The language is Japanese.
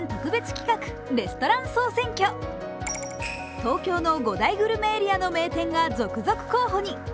東京の５大グルメエリアの名店が続々候補に。